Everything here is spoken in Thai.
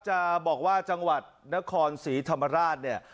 จะบอกว่าจังหวัดณครศรีธรรมราช